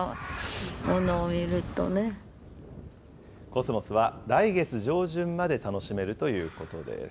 コスモスは来月上旬まで楽しめるということです。